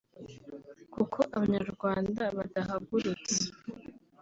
kuko Abanyarwanda badahagurutse